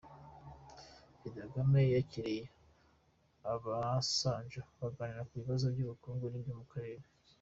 Perezida Kagame yakiriye Obasanjo baganira ku bibazo by’ubukungu n’ibyo mu Karere